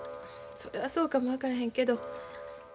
それはそうかも分からへんけど。